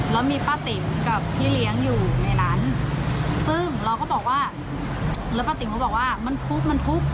แล้วมีป้าติ๋มกับพี่เลี้ยงอยู่ในนั้นซึ่งเราก็บอกว่าแล้วป้าติ๋มก็บอกว่ามันทุกข์มันทุกข์